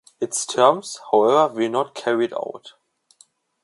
Its terms, however, were not carried out.